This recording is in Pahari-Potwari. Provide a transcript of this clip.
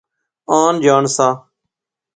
آن جان سا